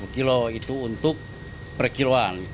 satu ratus lima puluh kilo itu untuk per kiloan